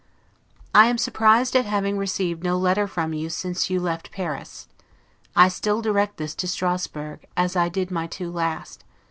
I am surprised at having received no letter from you since you left Paris. I still direct this to Strasburgh, as I did my two last.